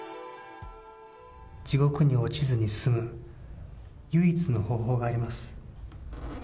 地獄に落ちずに済む唯一の方法があります。